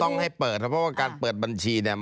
ต้องให้เปิดเพราะว่าการเปิดบัญชีเนี่ย